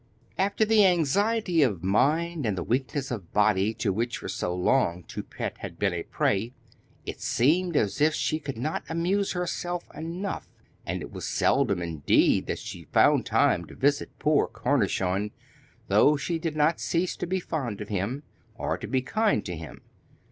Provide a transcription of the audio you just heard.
After the anxiety of mind and the weakness of body to which for so long Toupette had been a prey, it seemed as if she could not amuse herself enough, and it was seldom indeed that she found time to visit poor Cornichon, though she did not cease to be fond of him, or to be kind to him.